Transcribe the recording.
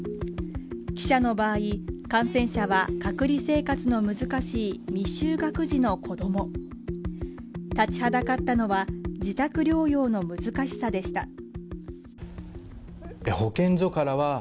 記者の場合感染者は隔離生活の難しい未就学児の子供立ちはだかったのは自宅療養の難しさでした